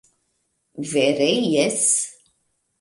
Vere jes!